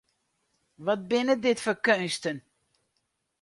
Wat binne dit foar keunsten!